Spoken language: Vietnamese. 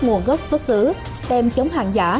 nguồn gốc xuất xứ tem chống hàng giả